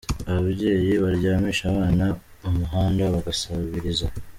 Ababyeyi baryamisha abana mu muhanda bagasabiriza.